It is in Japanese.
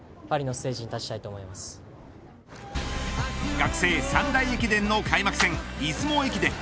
学生３大駅伝の開幕戦出雲駅伝。